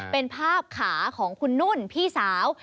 เป็นภาพขาของคุณนุ่นพี่สาว